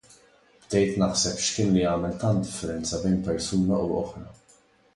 Bdejt naħseb x'kien li jagħmel tant differenza bejn persuna u oħra.